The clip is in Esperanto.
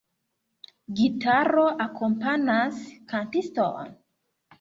Gitaro akompanas kantiston.